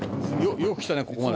よく来たねここまで。